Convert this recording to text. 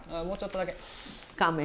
もうちょっとだけ。